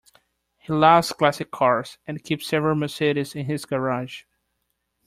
He loves classic cars, and keeps several Mercedes in his garage